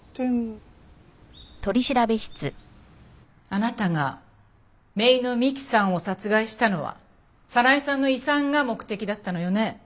あなたが姪の美希さんを殺害したのは早苗さんの遺産が目的だったのよね？